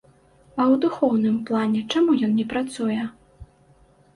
А ў духоўным плане чаму ён не працуе?